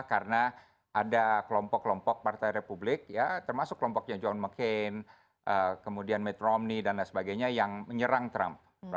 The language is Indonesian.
karena ada kelompok kelompok partai republik ya termasuk kelompoknya john mccain kemudian mitt romney dan lain sebagainya yang menyerang trump